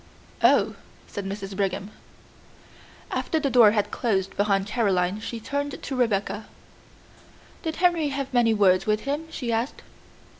"Oh," said Mrs. Brigham. After the door had closed behind Caroline, she turned to Rebecca. "Did Henry have many words with him?" she asked.